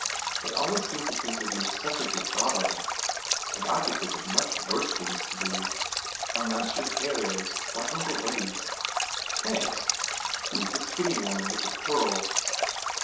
They always seem to think they ve made such a good job of it. And I could think of much worse things to do. How nice your hair is! Like Uncle Eddie s." "Thanks. Who s the skinny woman with the pearls?"